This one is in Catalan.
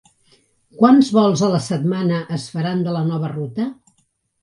Quants vols a la setmana es faran de la nova ruta?